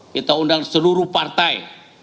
kita undang seluruh partai